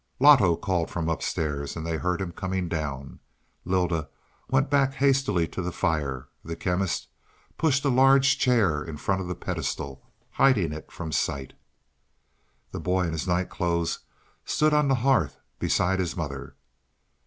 Loto called from upstairs and they heard him coming down. Lylda went back hastily to the fire; the Chemist pushed a large chair in front of the pedestal, hiding it from sight. The boy, in his night clothes, stood on the hearth beside his mother.